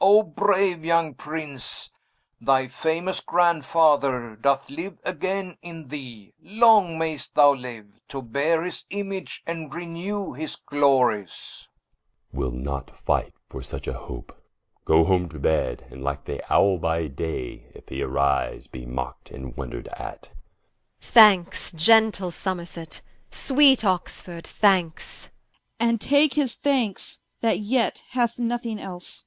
Oh braue young Prince: thy famous Grandfather Doth liue againe in thee; long may'st thou liue, To beare his Image, and renew his Glories Som. And he that will not fight for such a hope, Goe home to Bed, and like the Owle by day, If he arise, be mock'd and wondred at Qu. Thankes gentle Somerset, sweet Oxford thankes Prince. And take his thankes, that yet hath nothing else.